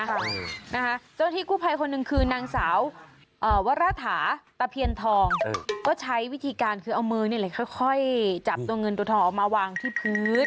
เจ้าหน้าที่กู้ภัยคนหนึ่งคือนางสาววราถาตะเพียนทองก็ใช้วิธีการคือเอามือนี่แหละค่อยจับตัวเงินตัวทองออกมาวางที่พื้น